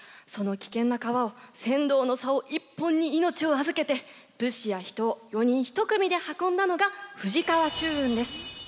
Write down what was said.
その危険な川を船頭のさお一本に命を預けて物資や人を４人一組で運んだのが富士川舟運です。